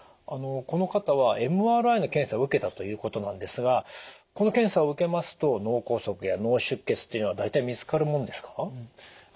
この方はＭＲＩの検査を受けたということなんですがこの検査を受けますと脳梗塞や脳出血っていうのは大体見つかるもんですか？